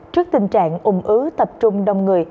trước tình trạng ủng ứ tập trung đông người